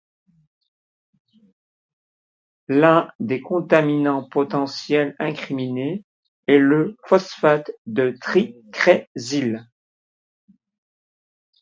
L'un des contaminants potentiels incriminé est le phosphate de tricrésyle.